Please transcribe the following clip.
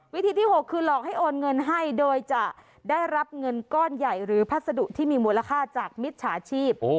วิธีที่๖คือหลอกให้โอนเงินให้โดยจะได้รับเงินก้อนใหญ่หรือพัสดุที่มีมูลค่าจากมิจฉาชีพ